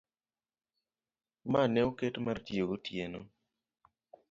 ma ne oket mar tiyo gotieno.